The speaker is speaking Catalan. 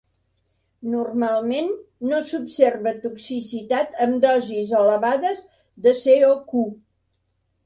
Normalment, no s'observa toxicitat amb dosis elevades de CoQ.